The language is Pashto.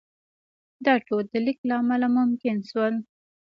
دا ټول د لیک له امله ممکن شول.